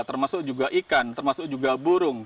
termasuk juga ikan termasuk juga burung